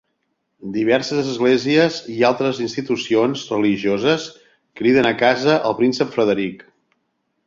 Diverses esglésies i altres institucions religioses criden a casa al príncep Frederic.